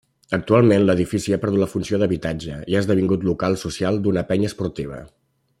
Actualment l'edifici ha perdut la funció d'habitatge i ha esdevingut local social d'una penya esportiva.